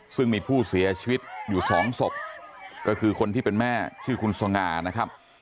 ซึ่งมีผู้เสียชีวิตอยู่สองศพก็คือคนที่เป็นแม่ชื่อคุณสง่านะครับ